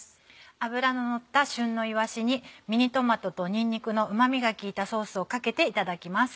脂ののった旬のいわしにミニトマトとにんにくのうま味が効いたソースをかけていただきます。